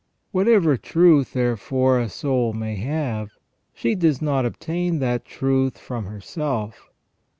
Whatever truth, therefore, a soul may have, she does not obtain that truth from herself.